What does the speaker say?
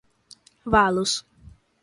valos